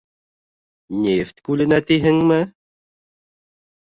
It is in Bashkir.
Нефть күленә, тиһеңме?